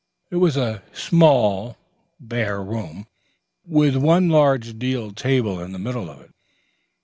It was a small bare room, with one large deal table in the middle of it.